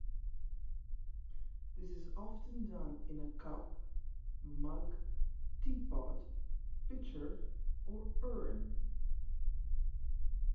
This is often done in a cup, mug, teapot, pitcher or urn.